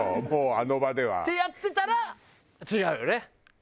もうあの場では。ってやってたら違うよね。